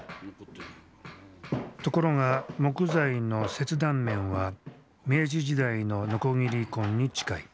ところが木材の切断面は明治時代のノコギリ痕に近い。